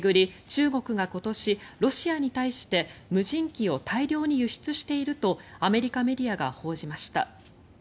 中国が今年ロシアに対して無人機を大量に輸出しているとアメリカメディアが報じました。